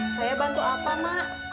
saya bantu apa mak